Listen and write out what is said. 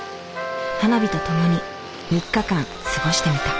花火と共に３日間過ごしてみた。